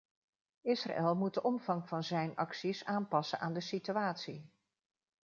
Israël moet de omvang van zijn acties aanpassen aan de situatie.